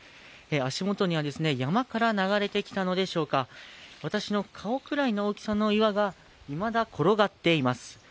足元には山から流れてきたのでしょうか、私の顔くらいの大きさの岩がいまだ転がっています。